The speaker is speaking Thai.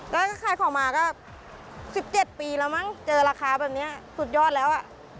ก็ขายของมาก็๑๗ปีแล้วมั้งเจอราคาแบบนี้สุดยอดแล้ว